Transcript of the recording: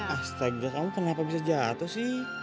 ahsta kamu kenapa bisa jatuh sih